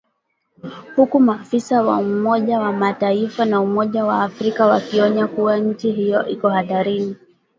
huku maafisa wa Umoja wa Mataifa na Umoja wa Afrika wakionya kuwa nchi hiyo iko hatarini